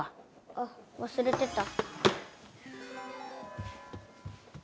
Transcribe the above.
あっ忘れてた。